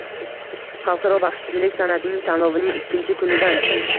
Xalqaro baxshichilik san’ati tanlovining ikkinchi kunidan